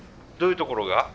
どういうところが？